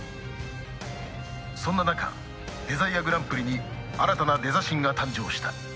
そんな中デザイアグランプリに新たなデザ神が誕生した